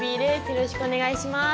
よろしくお願いします。